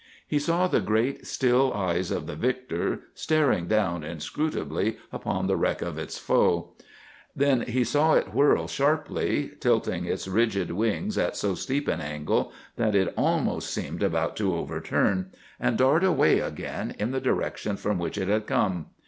He saw the great, still eyes of the victor staring down inscrutably upon the wreck of its foe. Then he saw it whirl sharply—tilting its rigid wings at so steep an angle that it almost seemed about to overturn—and dart away again in the direction from which it had come.